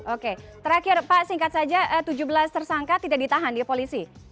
oke terakhir pak singkat saja tujuh belas tersangka tidak ditahan di polisi